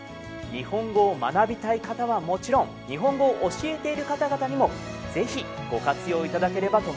日本語を学びたい方はもちろん日本語を教えている方々にも是非ご活用いただければと思います。